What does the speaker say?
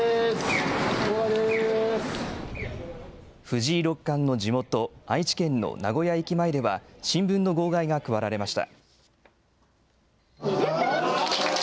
藤井六冠の地元、愛知県の名古屋駅前では、新聞の号外が配られました。